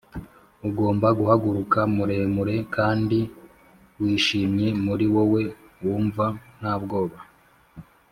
ugomba guhaguruka muremure kandi wishimye, muri wowe wumva nta bwoba,